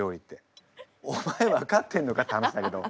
お前分かってんのかって話だけど。